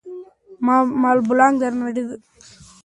ملا بانګ په درانه زړه د خپل کور په لور روان و.